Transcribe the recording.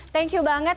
thank you banget